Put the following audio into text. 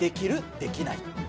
できない？